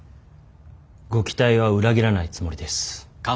ご期待は裏切らないつもりです。